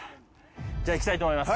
じゃあいきたいと思います。